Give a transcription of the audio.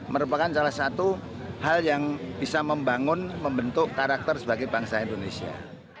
merupakan salah satu hal yang bisa membangun membentuk karakter sebagai bangsa indonesia